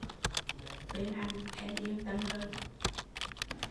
Bịn anh, em yên tâm hơn